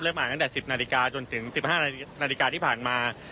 มาตั้งแต่๑๐นาฬิกาจนถึง๑๕นาฬิกาที่ผ่านมา